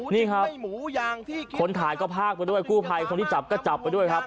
นี่ครับคนถ่ายก็พากไปด้วยกู้ภัยคนที่จับก็จับไปด้วยครับ